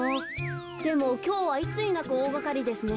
でもきょうはいつになくおおがかりですね。